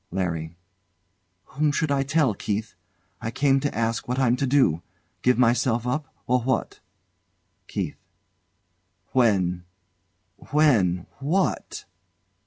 LARRY. Whom should I tell, Keith? I came to ask what I'm to do give myself up, or what? KEITH. When when what